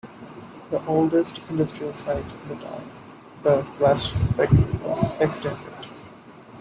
The oldest industrial site in the town, the flass factory was extended.